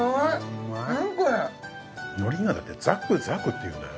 うまい海苔がだってザクザクっていうんだよ